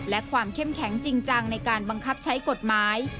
และความเข้มแข็งจริงจังในการบังคับใช้กฎหมาย